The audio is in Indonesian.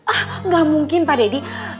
ah nggak mungkin pak deddy